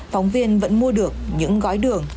phóng viên vẫn mua được những gói đường